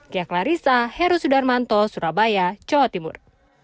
kia klarissa heru sudarmanto surabaya jawa timur